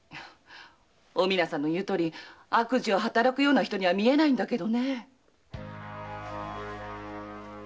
おみなさんの言うとおり悪事を働くような人には見えないけど。